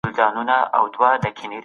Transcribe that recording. د ژبې اغېز څه و؟